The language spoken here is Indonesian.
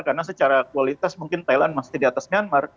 karena secara kualitas mungkin thailand masih di atas myanmar